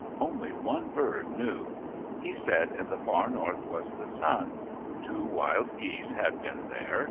Only one bird knew. He said in the far north was the sun. Two wild geese had been there.